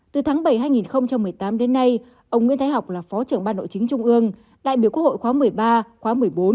từ tháng bảy hai nghìn một mươi tám đến nay ông nguyễn thái học là phó trưởng ban nội chính trung ương đại biểu quốc hội khóa một mươi ba khóa một mươi bốn